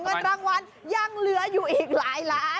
เงินรางวัลยังเหลืออยู่อีกหลายล้าน